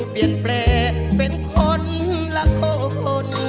ที่หลอกทุกข์